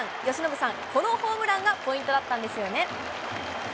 由伸さん、このホームランがポイントだったんですよね。